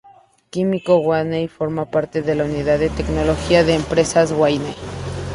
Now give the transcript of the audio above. Químicos Wayne forma parte de la unidad de tecnología de Empresas Wayne.